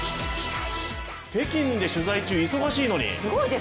北京で取材中、忙しいのに。